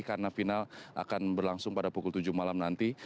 karena final akan berlangsung pada pukul tujuh malam nanti